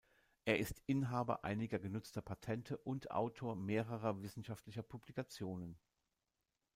Er ist Inhaber einiger genutzter Patente und Autor mehrerer wissenschaftlicher Publikationen.